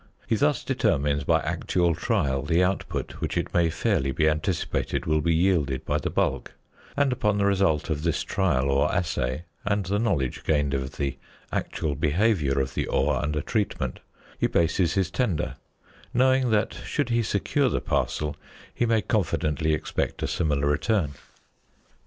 He thus determines by actual trial the output which it may fairly be anticipated will be yielded by the bulk, and upon the result of this trial or assay, and the knowledge gained of the actual behaviour of the ore under treatment, he bases his tender, knowing that, should he secure the parcel, he may confidently expect a similar return.